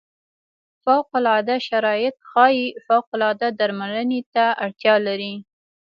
فوق العاده شرایط ښايي فوق العاده درملنې ته اړتیا لري.